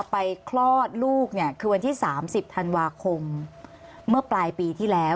คลอดลูกเนี่ยคือวันที่๓๐ธันวาคมเมื่อปลายปีที่แล้ว